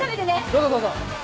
どうぞどうぞ。